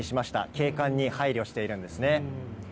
景観に配慮しているんですね。